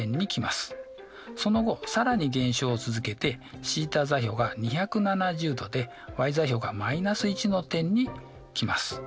その後更に減少を続けてθ座標が２７０°でｙ座標が−１の点に来ます。